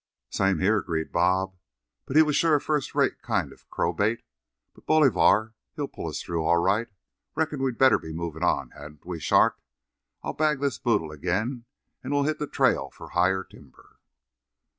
"Same here," agreed Bob; "he was sure a first rate kind of a crowbait. But Bolivar, he'll pull us through all right. Reckon we'd better be movin' on, hadn't we, Shark? I'll bag this boodle ag'in and we'll hit the trail for higher timber."